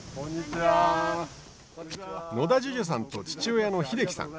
野田樹潤さんと父親の英樹さん。